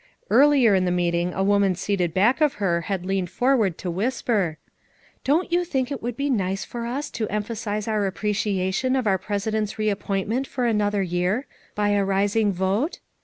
Earlier in the meeting a woman seated back of her had leaned forward to whisper: " Don't you think it would be nice for us to emphasize our appreciation of our president's re appointment for another year, by a rising vote?